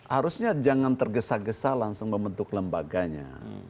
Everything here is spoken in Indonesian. harusnya jangan tergesa gesa langsung membentuk lembaganya